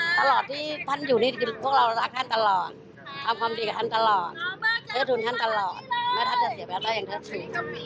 ทำความดีกับท่านตลอดให้ทุนท่านตลอดไม่ท่านจะเสียแปดได้อย่างเท่าที่